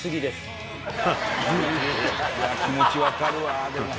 気持ち分かるわでも。